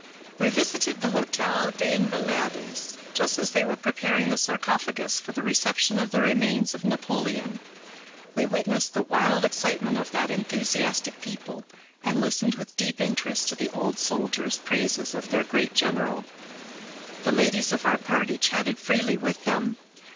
We visited the Hôtel des Invalides just as they were preparing the sarcophagus for the reception of the remains of Napoleon. We witnessed the wild excitement of that enthusiastic people, and listened with deep interest to the old soldiers' praises of their great general. The ladies of our party chatted freely with them.